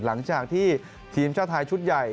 หลังจากที่ทีมชาติไทยชุดใหญ่